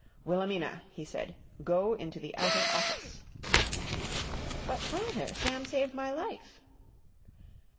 "Wilhelmina," he said, "go into the outer office." "But, father, Sam saved my life!"